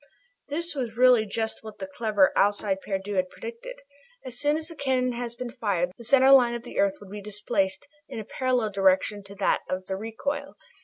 This was really just what the clever Alcide Pierdeux had predicted. As soon as the cannon has been fired off, the center line of the earth would be displaced in a parallel direction to that of the recoil.